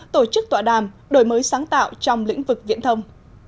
tổ chức tọa đàm đổi mới sáng tạo trong lĩnh vực viễn thông